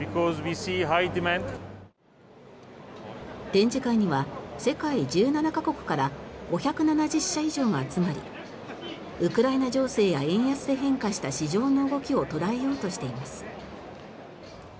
展示会には世界１７か国から５７０社以上が集まりウクライナ情勢や円安で変化した市場の動きを捉えようとしています。